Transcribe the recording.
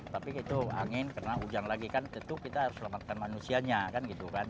tapi itu angin karena hujan lagi kan tentu kita harus selamatkan manusianya kan gitu kan